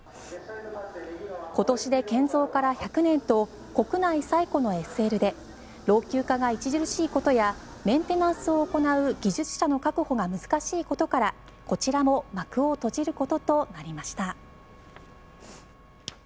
今年で建造から１００年と国内最古のＳＬで老朽化が著しいことやメンテナンスを行う技術者の確保が難しいことからこちらも幕を閉じることとなりました。